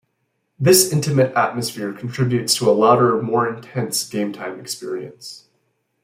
This intimate atmosphere contributes to a louder, more intense gametime experience.